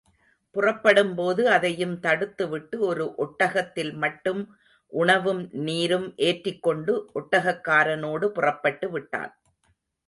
புறப்படும்போது, அதையும் தடுத்துவிட்டு, ஒரு ஒட்டகத்தில் மட்டும் உணவும் நீரும் ஏற்றிக் கொண்டு ஒட்டகக்காரனோடு புறப்பட்டு விட்டான்.